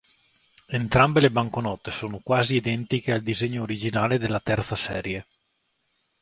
Entrambe le banconote sono quasi identiche al disegno originale della terza serie.